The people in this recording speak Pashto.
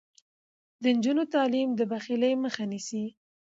د نجونو تعلیم د بخیلۍ مخه نیسي.